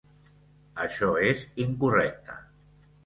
Això és incorrecte.